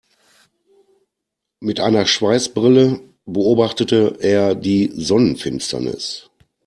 Mit einer Schweißbrille beobachtete er die Sonnenfinsternis.